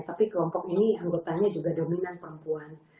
tapi kelompok ini anggotanya juga dominan perempuan